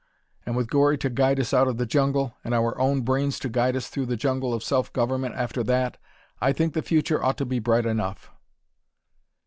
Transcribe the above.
And with Gori to guide us out of the jungle, and our own brains to guide us through the jungle of self government after that, I think the future ought to be bright enough."